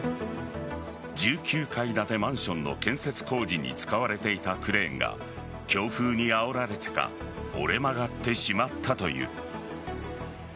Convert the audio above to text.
１９階建てマンションの建設工事に使われていたクレーンが強風にあおられてか折れ曲がってしまったという。